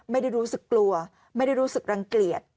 ไม่ได้รู้สึกกลัวไม่ได้รู้สึกรังเกลียด